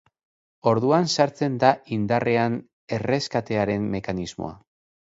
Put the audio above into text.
Orduan sartzen da indarrean erreskatearen mekanismoa.